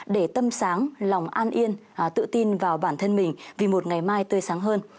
để tâm sáng lòng an yên tự tin vào bản thân mình vì một ngày mai tươi sáng hơn